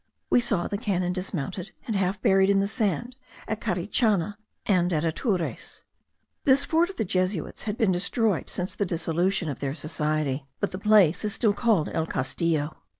We saw the cannon dismounted, and half buried in the sand, at Carichana and at Atures. This fort of the Jesuits has been destroyed since the dissolution of their society; but the place is still called El Castillo.